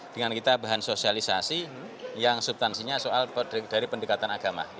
dengan kita bahan sosialisasi yang subtansinya soal dari pendekatan agama